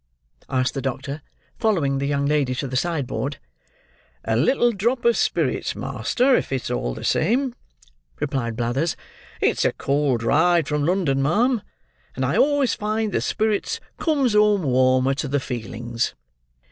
asked the doctor, following the young lady to the sideboard. "A little drop of spirits, master, if it's all the same," replied Blathers. "It's a cold ride from London, ma'am; and I always find that spirits comes home warmer to the feelings."